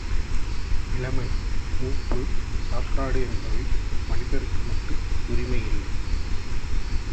இளமை, மூப்பு, சாக்காடு என்பவை மனிதருக்கு மட்டும் உரிமையில்லை.